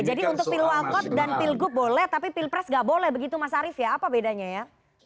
jadi untuk pilwakot dan pilgub boleh tapi pilpres tidak boleh begitu mas arief ya apa bedanya ya